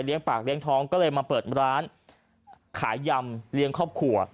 ปากเลี้ยงท้องก็เลยมาเปิดร้านขายยำเลี้ยงครอบครัว